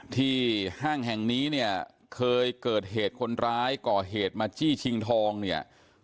ห้างแห่งนี้เนี่ยเคยเกิดเหตุคนร้ายก่อเหตุมาจี้ชิงทองเนี่ย